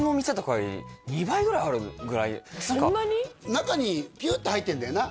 中にピューッて入ってるんだよな